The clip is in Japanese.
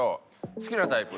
好きなタイプ